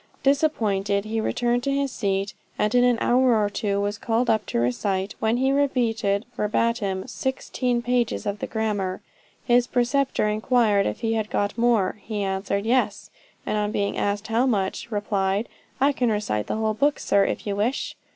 Disappointed, he returned to his seat, and in an hour or two was called up to recite, when he repeated verbatim sixteen pages of the grammar. His preceptor inquired if he had got more; he answered yes; and on being asked how much, replied, "I can recite the whole book, sir, if you wish!"